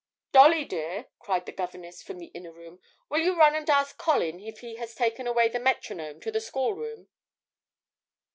'Dolly dear,' cried the governess from the inner room, 'will you run and ask Colin if he has taken away the metronome to the schoolroom?'